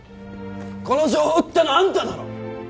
この情報売ったのあんただろ！